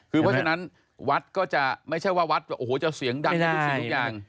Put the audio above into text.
คือเพราะฉะนั้นวัดก็จะไม่ใช่ว่าวัดโอ้โหจะเสียงดังในทุกสิ่งทุกอย่าง